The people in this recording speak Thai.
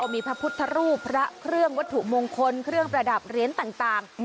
มีพระพุทธรูปพระเครื่องวัตถุมงคลเครื่องประดับเหรียญต่าง